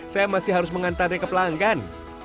saya masih harus mengantarnya ke pelanggan